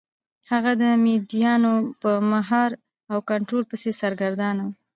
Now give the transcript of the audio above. هغه د مینډیانو په مهار او کنټرول پسې سرګردانه و.